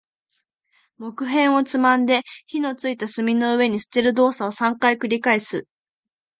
木片をつまんで、火の付いた炭の上に捨てる動作を三回繰り返す。